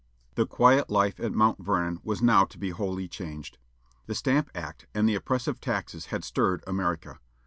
The quiet life at Mount Vernon was now to be wholly changed. The Stamp Act and the oppressive taxes had stirred America.